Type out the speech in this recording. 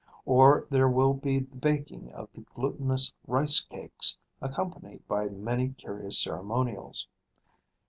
Or there will be the baking of the glutinous rice cakes, accompanied by many curious ceremonials.